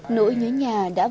nỗi nhớ nhà là một lần đầu tiên